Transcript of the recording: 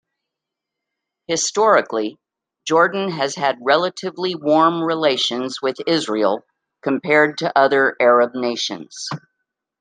Historically, Jordan has had relatively warm relations with Israel compared to other Arab nations.